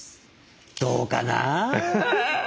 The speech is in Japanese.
どうかな？